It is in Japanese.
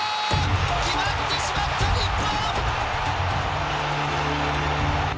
決まってしまった日本。